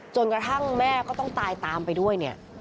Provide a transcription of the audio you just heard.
กระทั่งแม่ก็ต้องตายตามไปด้วยเนี่ย